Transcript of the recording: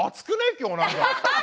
今日なんか。